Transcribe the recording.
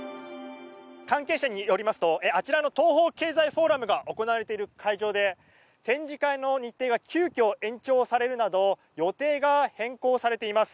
関係者によりますとあちらの東方経済フォーラムが行われている会場で展示会の日程が急きょ延長されるなど予定が変更されています。